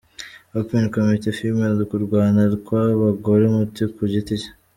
Open Kumite Female: Kurwana kw’abagore umuntu ku giti cye.